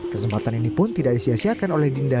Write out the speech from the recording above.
kesempatan ini pun tidak disiasiakan oleh dinda